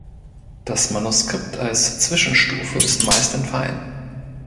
Das Manuskript als Zwischenstufe ist meist entfallen.